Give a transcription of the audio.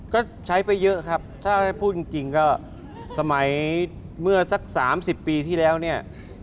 ก็ใช้ไปเยอะครับถ้าพูดจริงก็สมัยเมื่อสัก๓๐ปีที่แล้วเนี่ย